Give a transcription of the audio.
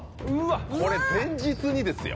これ前日にですよ。